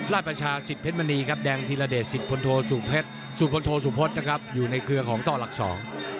ราชประชาสิทธิ์เพชรมณีครับแดงทีราเดชสิทธิ์พลโทสุพศนะครับอยู่ในเครือของต้อหลักสอง